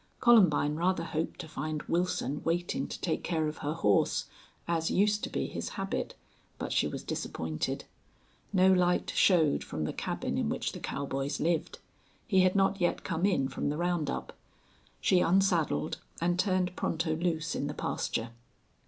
Columbine rather hoped to find Wilson waiting to take care of her horse, as used to be his habit, but she was disappointed. No light showed from the cabin in which the cowboys lived; he had not yet come in from the round up. She unsaddled, and turned Pronto loose in the pasture.